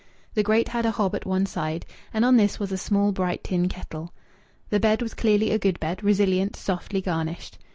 The grate had a hob at one side, and on this was a small, bright tin kettle. The bed was clearly a good bed, resilient, softly garnished.